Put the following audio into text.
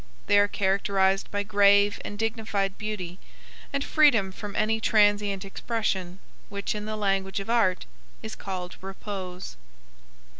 They are characterized by grave and dignified beauty, and freedom from any transient expression, which in the language of art is called repose.